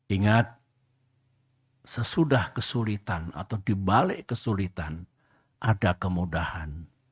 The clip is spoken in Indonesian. ingat sesudah kesulitan atau dibalik kesulitan ada kemudahan